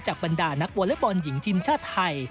บรรดานักวอเล็กบอลหญิงทีมชาติไทย